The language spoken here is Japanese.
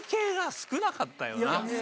少なかったです